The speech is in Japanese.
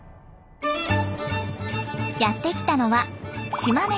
やって来たのは島根県益田市。